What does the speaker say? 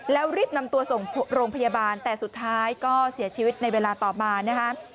แล้วรีบนำตัวส่งโรงพยาบาลแต่สุดท้ายก็เสียชีวิตในเวลาต่อมานะคะ